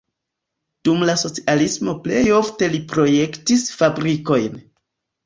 Dum la socialismo plej ofte li projektis fabrikojn.